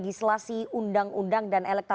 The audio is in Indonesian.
tim liputan cnn indonesia